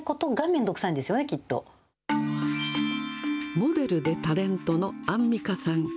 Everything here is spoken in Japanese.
モデルでタレントのアンミカさん。